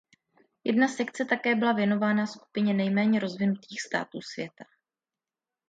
Jedna sekce také byla věnována skupině nejméně rozvinutých států světa.